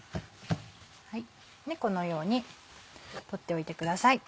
このように取っておいてください。